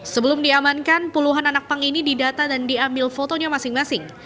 sebelum diamankan puluhan anak pang ini didata dan diambil fotonya masing masing